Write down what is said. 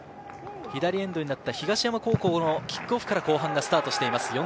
左エンドになった東山高校のキックオフから後半がスタートしています。